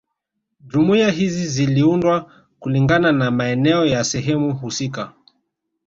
Jumuiya hizi ziliundwa kulingana na maeneo ya sehemu husika